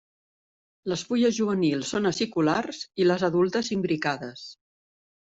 Les fulles juvenils són aciculars i les adultes imbricades.